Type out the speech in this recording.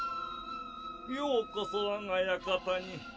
ようこそ我が館に。